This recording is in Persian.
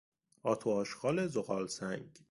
آت و آشغال زغالسنگ